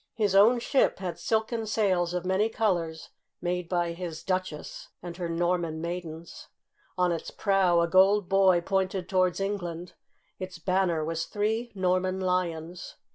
His own ship had silken sails of many colors made by his duchess and her Norman maidens. On its prow a gold boy pointed towards England. Its banner was three Norman lions.